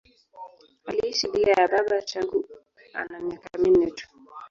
Aliishi bila ya baba tangu ana miaka minne tu.